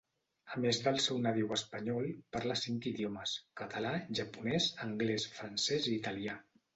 A més del seu nadiu espanyol, parla cinc idiomes: català, japonès, anglès, francès i italià.